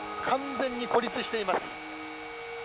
完全に孤立しています。